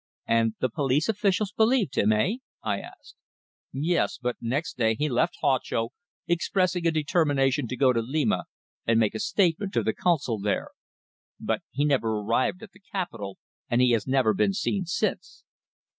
"And the police officials believed him eh?" I asked. "Yes. But next day he left Huacho, expressing a determination to go to Lima and make a statement to the Consul there. But he never arrived at the capital, and he has never been seen since."